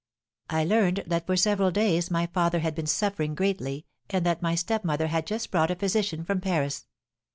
"I learned that for several days my father had been suffering greatly, and that my stepmother had just brought a physician from Paris.